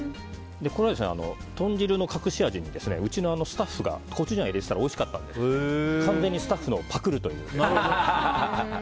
これは豚汁の隠し味にうちのスタッフがコチュジャンを入れていたらおいしかったので完全にスタッフのをパクるという。